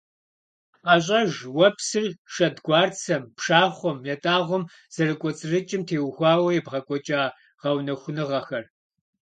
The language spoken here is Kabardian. КъэщӀэж уэ псыр шэдгуарцэм, пшахъуэм, ятӀагъуэм зэрыкӀуэцӀрыкӀым теухуауэ ебгъэкӀуэкӀа гъэунэхуныгъэхэр.